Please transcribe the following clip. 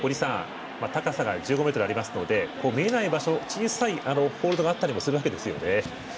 高さが１５ｍありますので見えない場所、小さいホールドがあったりするわけですよね。